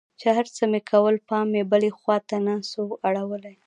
چې هرڅه مې کول پام مې بلې خوا ته نه سو اړولى.